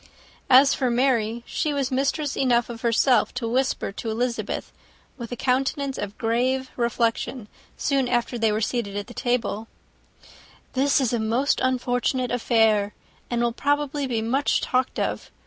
As for Mary, she was mistress enough of herself to whisper to Elizabeth, with a countenance of grave reflection, soon after they were seated at table, "This is a most unfortunate affair, and will probably be much talked of.